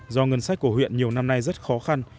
do ngân sách của huyện nhiều năm nay rất khó khăn